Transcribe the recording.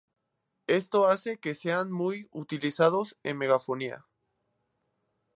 Esto hace que sean muy utilizados en megafonía.